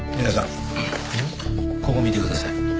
皆さんここ見てください。